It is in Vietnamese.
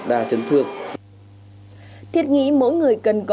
và đặc biệt là trong công việc khi chúng ta đang làm việc